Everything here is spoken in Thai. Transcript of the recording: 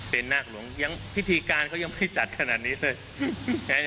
เป็นนาคหลวงยังพิธีการเขายังไม่จัดขนาดนี้เลย